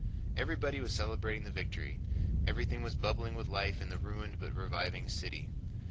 Everybody was celebrating the victory, everything was bubbling with life in the ruined but reviving city.